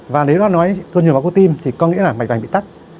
và nếu đó nói cơn nhuồn máu cơ tim thì có nghĩa là mạch mạch bị tắt